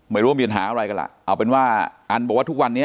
ไม่รู้ว่ามีปัญหาอะไรกันล่ะเอาเป็นว่าอันบอกว่าทุกวันนี้